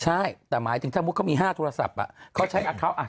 ใช่แต่หมายถึงสมมุติเขามี๕โทรศัพท์อะเขาใช้อาคาเมตร